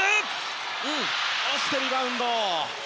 落ちてリバウンド。